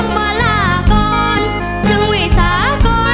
ก็ต้องป่ากันฮักกันคือเก่าให้เป็นคือเก่าไอขอให้เจ้ากับคำสารา